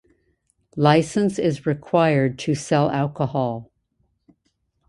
Licence is required to sell alcohol.